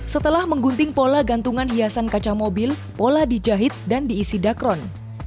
setelah menggunting pola gantungan hiasan kaca mobil pola dijahit dan diisi dakron